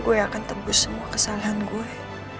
gue akan tembus semua kesalahan gue